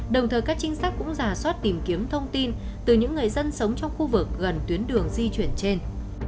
đồng thời các trinh sát cũng giả soát tìm kiếm thông tin từ những người dân sống trong khu vực gần tuyến đường di chuyển trên